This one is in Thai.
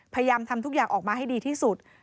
พยายามทำทุกอย่างออกมาให้ดีที่สุด